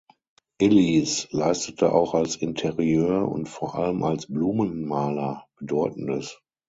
Illies leistete auch als Interieur- und vor allem als Blumenmaler Bedeutendes.